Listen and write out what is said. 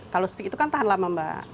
kalau stik itu kan tahan lama mbak